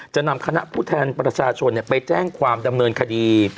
จะนำคณะผู้แทนประชาชนไปแจ้งความดำเนินคดี